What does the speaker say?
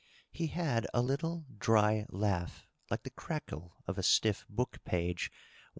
He had a little dry laugh, like the crackle of a stiff book page when I DOUGLAS DUANE.